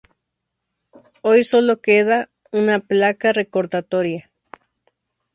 Hoy solo queda una placa recordatoria.